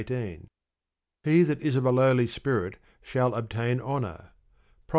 He that is of a lowly spirit shall obtain honour (Prov.